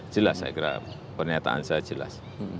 jelas saya kira pernyataan saya jelas